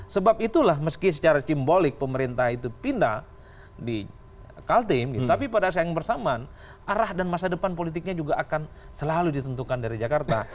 sebab itulah meski secara simbolik pemerintah itu pindah di kaltim tapi pada saat yang bersamaan arah dan masa depan politiknya juga akan selalu ditentukan dari jakarta